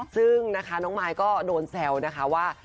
ซึ่งนะคะน้องมายก็โดนแซวนะคะว่า